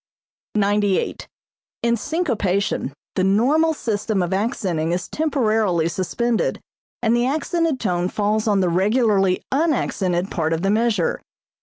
98. In syncopation the normal system of accenting is temporarily suspended and the accented tone falls on the regularly unaccented part of the measure.